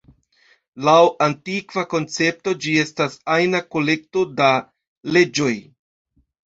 Laŭ antikva koncepto, ĝi estas ajna kolekto da leĝoj.